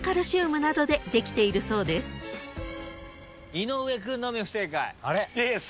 井上君のみ不正解。